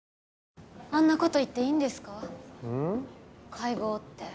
解剖って。